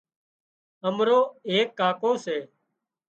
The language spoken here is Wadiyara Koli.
امرو ايڪ ڪاڪو سي